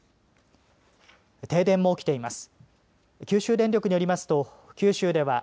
停電も起きています。